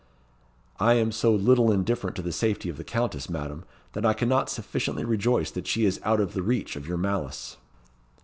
"I am so little indifferent to the safety of the Countess, Madam, that I cannot sufficiently rejoice that she is out of the reach of your malice."